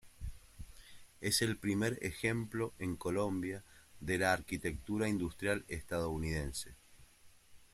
Es el primer ejemplo en Colombia de la arquitectura industrial estadounidense.